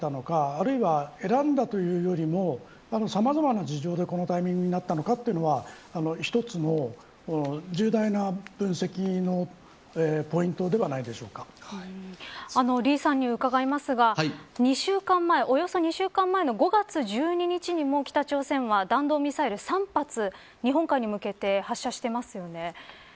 あるいは、選んだというよりもさまざまな事情でこのタイミングになったのかは一つの重大な分析の李さんに伺いますが２週間前、およそ２週間前の５月１２日にも北朝鮮は弾道ミサイルを３発日本海に向けて発射していますよね。